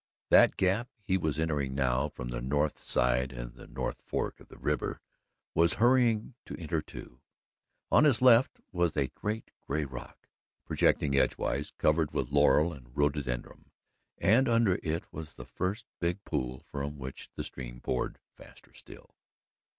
That gap he was entering now from the north side and the North Fork of the river was hurrying to enter too. On his left was a great gray rock, projecting edgewise, covered with laurel and rhododendron, and under it was the first big pool from which the stream poured faster still.